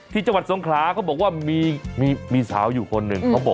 ที่จังหวัดสงคราเขาบอกว่ามีสาวอยู่คนหนึ่ง